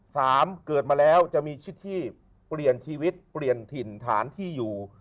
สามเกิดมาแล้วจะมีชิดที่เปลี่ยนชีวิตเปลี่ยนถิ่นฐานที่อยู่